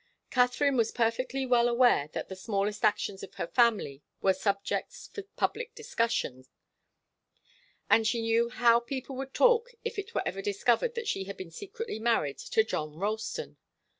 Katharine was perfectly well aware that the smallest actions of her family were subjects for public discussion, and she knew how people would talk if it were ever discovered that she had been secretly married to John Ralston.